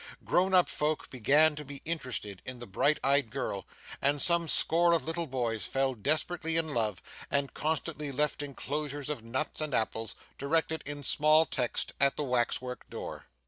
Grown up folks began to be interested in the bright eyed girl, and some score of little boys fell desperately in love, and constantly left enclosures of nuts and apples, directed in small text, at the wax work door.